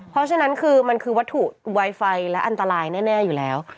เพราะฉะนั้นคือมันคือวัตถุไวไฟและอันตรายแน่อยู่แล้ว